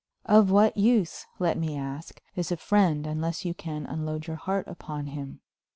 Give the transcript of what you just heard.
Of what use, let me ask, is a friend unless you can unload your heart upon him?